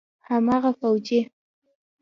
هماغه فوجي.